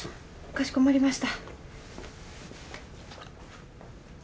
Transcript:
かしこまりました。